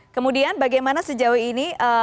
kemudian bagaimana sejauh ini